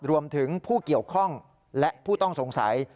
รวมถึงผู้เกี่ยวข้องและผู้ต้องสงสัย